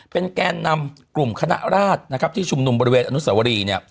เป็นแกนนำกลุ่มคณะราชที่ชุมนุมบริเวณอนุสาวรี